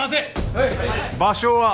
はい場所は！